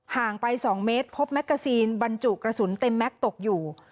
งไป๒เมตรพบแมกกาซีนบรรจุกระสุนเต็มแม็กซ์ตกอยู่